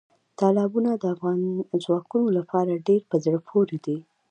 تالابونه د افغان ځوانانو لپاره ډېره په زړه پورې دي.